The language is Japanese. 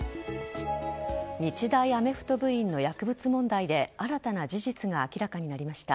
日大アメフト部員の薬物問題で新たな事実が明らかになりました。